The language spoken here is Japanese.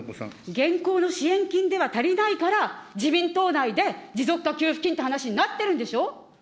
現行の支援金では足りないから、自民党内で持続化給付金って話になってるんでしょ。